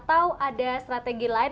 atau ada strategi lain